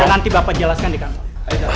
nanti bapak jelaskan di kantor